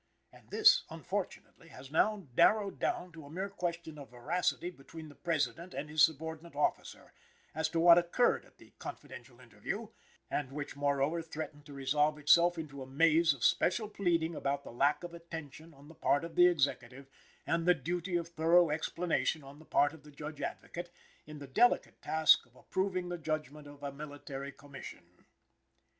And this, unfortunately, was now narrowed down to a mere question of veracity between the President and his subordinate officer, as to what occurred at the Confidential Interview; and which, moreover, threatened to resolve itself into a maze of special pleading about the lack of attention, on the part of the Executive, and the duty of thorough explanation, on the part of the Judge Advocate, in the delicate task of approving the judgment of a Military Commission.